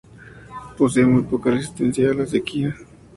Posee muy poca resistencia a la sequía.